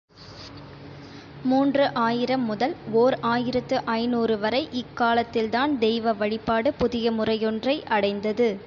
மூன்று ஆயிரம் முதல் ஓர் ஆயிரத்து ஐநூறு வரை இக்காலத்தில்தான் தெய்வ வழிபாடு புதிய முறையொன்றை அடைந்தது.